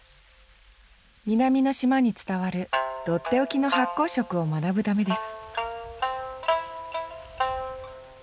南の島に伝わるとっておきの発酵食を学ぶためです